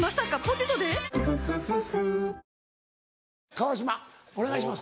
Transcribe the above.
川島お願いします。